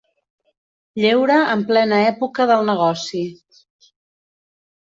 Lleure en plena època del negoci.